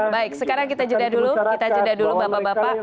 baik sekarang kita jeda dulu kita jeda dulu bapak bapak